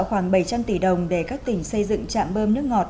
khoảng bảy trăm linh tỷ đồng để các tỉnh xây dựng trạm bơm nước ngọt